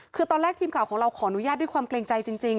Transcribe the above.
คือตอนแรกทีมข่าวของเราขออนุญาตด้วยความเกรงใจจริง